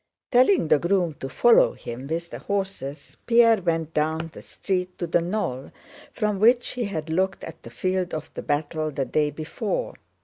Telling the groom to follow him with the horses, Pierre went down the street to the knoll from which he had looked at the field of battle the day before.